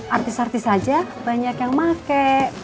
artis artis aja banyak yang make